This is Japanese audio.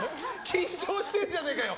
緊張してんじゃないかよ！